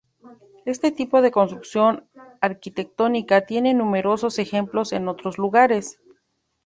Este tipo de construcción arquitectónica tiene numerosos ejemplos en otros lugares.